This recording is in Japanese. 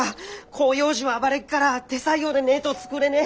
広葉樹は暴れっから手作業でねえど作れねえ。